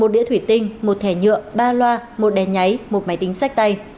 một đĩa thủy tinh một thẻ nhựa ba loa một đèn nháy một máy tính sách tay